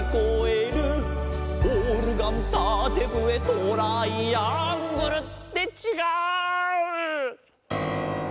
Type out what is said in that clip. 「オルガンたてぶえトライアングル」ってちがう！